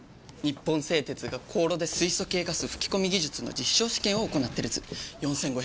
本製鉄が高炉で水素系ガス吹き込み技術の証試験を行っている図４５００